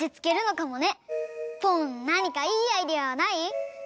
ポンなにかいいアイデアはない？